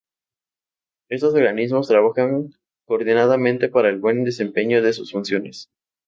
Estos organismos trabajan coordinadamente para el buen desempeño de sus funciones.